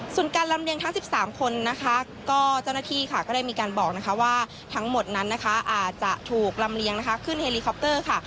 ส่วนการลำเลียงทั้ง๑๓คนนะคะก็เจ้าหน้าที่ค่ะก็ได้มีการบอกนะคะว่าทั้งหมดนั้นนะคะอาจจะถูกลำเลียงนะคะขึ้นเฮลิคอปเตอร์ค่ะ